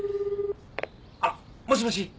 あっもしもし？